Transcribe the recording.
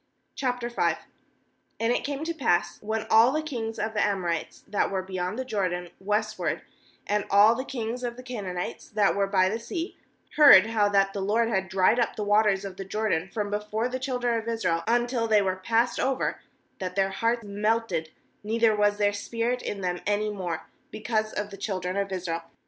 K And it came to pass, when all the kings of the Amorites, that were beyond the Jordan westward, and all the kings of the Canaanites, that were by the sea, heard how that the LORD had dried up the waters of the Jordan from before the children of Israel, until they were passed over, that their heart melted, neither was there spirit in them any more, be cause of the children of Israel.